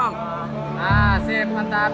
nah sip mantap